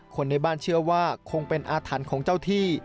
คนในบ้านเชื่อว่าคงเป็นอาถรรพ์ของเจ้าที่